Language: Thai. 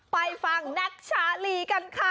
ไปฟังแน็กชาลีกันค่ะ